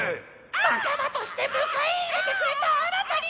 「仲魔として迎え入れてくれたあなたに報いたい！」。